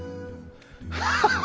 ハハハハ！